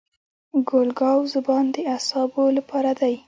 ګل ګاو زبان د اعصابو لپاره دی.